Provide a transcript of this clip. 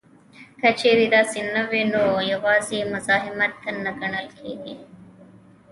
که چېرې داسې نه وي نو یوازې مزاحمت نه ګڼل کیږي